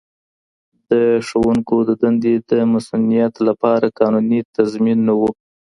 د ښوونکو د دندې د مصونیت لپاره قانوني تضمین نه و.